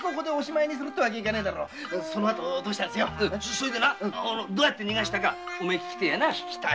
それでなどうやって逃がしたかおめえ聞きてえやな。